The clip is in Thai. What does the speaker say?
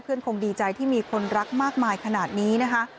คงดีใจที่มีคนรักมากมายขนาดนี้นะคะ